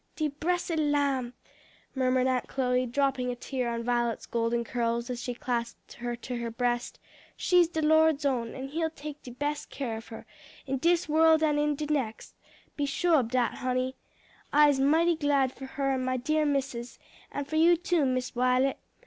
"De bressed lamb!" murmured Aunt Chloe, dropping a tear on Violet's golden curls as she clasped her to her breast, "she's de Lord's own, and he'll take de bes' care of her; in dis world and in de nex'; be sho' ob dat, honey. Ise mighty glad for her and my dear missus; and for you too Miss Wi'let.